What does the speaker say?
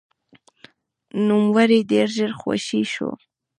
نوموړی ډېر ژر خوشې شو.